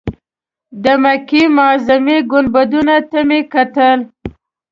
د مکې معظمې ګنبدونو ته مې کتل.